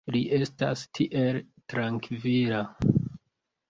Li estas tiel trankvila.